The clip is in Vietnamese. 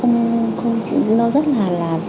nó rất là